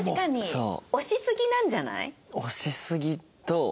そう。